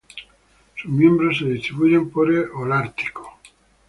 Sus miembros se distribuyen por el Holártico.